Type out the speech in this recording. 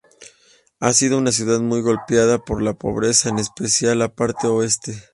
Ha sido una ciudad muy golpeada por la pobreza, en especial la parte oeste.